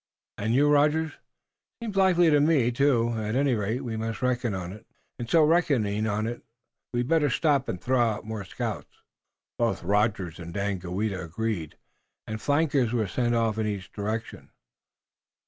"And you, Rogers?" "Seems likely to me, too. At any rate, we must reckon on it." "And so reckoning on it, we'd better stop and throw out more scouts." Both Rogers and Daganoweda agreed, and flankers were sent off in each direction.